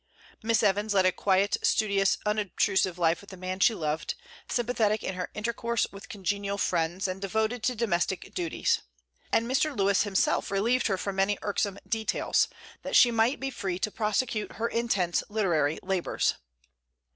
Miss Evans led a quiet, studious, unobtrusive life with the man she loved, sympathetic in her intercourse with congenial friends, and devoted to domestic duties. And Mr. Lewes himself relieved her from many irksome details, that she might be free to prosecute her intense literary labors.